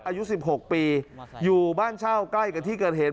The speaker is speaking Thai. อายุ๑๖ปีอยู่บ้านเช่าใกล้กับที่เกิดเหตุ